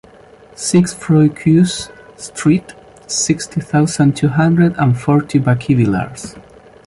six Froide Cuisse street, sixty thousand two hundred and forty Bachivillers